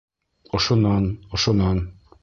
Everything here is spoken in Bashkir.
Ошонан, ошонан!